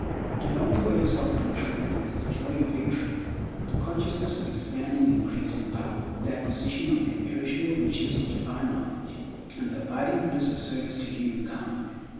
Along the way of self control there is the joy of victory; the consciousness of expanding and increasing power; the acquisition of the imperishable riches of divine knowledge; and the abiding bliss of service to humankind.